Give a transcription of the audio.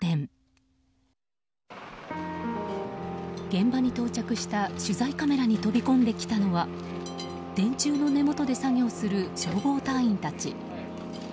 現場に到着した取材カメラに飛び込んできたのは電柱の根元で作業する消防隊員たち。